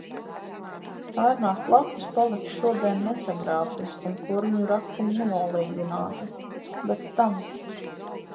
Pērnās lapas paliks šodien nesagrābtas un kurmju rakumi nenolīdzināti. Bet tam.